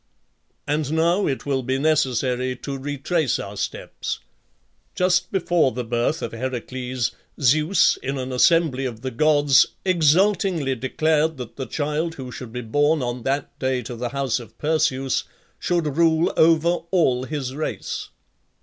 And now it will be necessary to retrace our steps. Just before the birth of Heracles, Zeus, in an assembly of the gods, exultingly declared that the child who should be born on that day to the house of Perseus should rule over all his race.